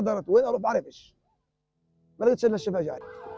saya menjaga mereka